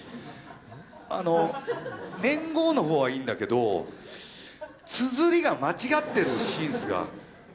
あの年号の方はいいんだけどつづりが間違ってる「ＳＩＮＣＥ」が。